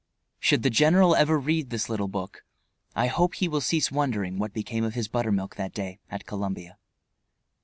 Should the general ever read this little book, I hope he will cease wondering what became of his buttermilk that day at Columbia.